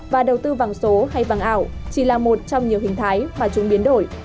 và đầu tư vàng số hay vàng ảo chỉ là một trong nhiều hình thái mà chúng biến đổi